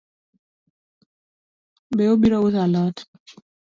Be obiro uso alot?